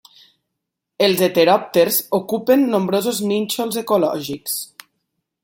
Els heteròpters ocupen nombrosos nínxols ecològics.